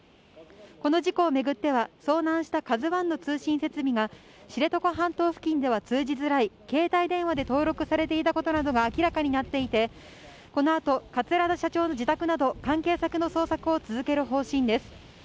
この事故を巡っては、遭難したカズワンの通信設備が知床半島付近では通じづらい、携帯電話で登録されていたことなどが明らかになっていて、このあと桂田社長の自宅など、関係先の捜索を続ける方針です。